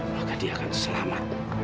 maka dia akan selamat